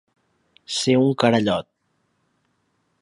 Ser un carallot.